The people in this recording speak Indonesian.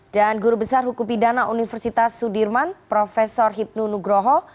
dan guru besar hukum pidana universitas sudirman profesor hipnu nugroho